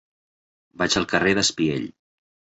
Vaig al carrer d'Espiell.